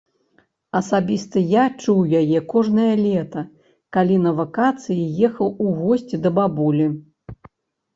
Асабіста я чуў яе кожнае лета, калі на вакацыі ехаў у госці да бабулі.